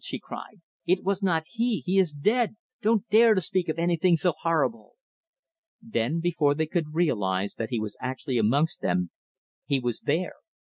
she cried. "It was not he! He is dead! Don't dare to speak of anything so horrible!" Then, before they could realize that he was actually amongst them, he was there.